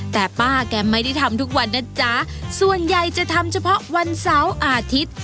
แต่ป้าแกไม่ได้ทำทุกวันนะจ๊ะส่วนใหญ่จะทำเฉพาะวันเสาร์อาทิตย์